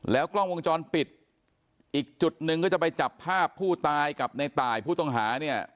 กล้องวงจรปิดอีกจุดหนึ่งก็จะไปจับภาพผู้ตายกับในตายผู้ต้องหาเนี่ย